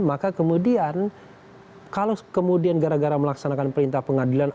maka kemudian kalau kemudian gara gara melaksanakan perintah pengadilan